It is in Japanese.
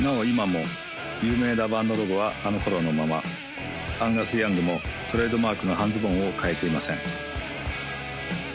今も有名なバンドロゴはあの頃のままアンガス・ヤングもトレードマークの半ズボンを変えていません